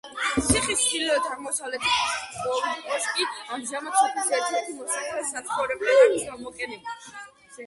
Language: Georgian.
ციხის ჩრდილო-აღმოსავლეთი კოშკი ამჟამად სოფლის ერთ-ერთ მოსახლეს საცხოვრებლად აქვს გამოყენებული.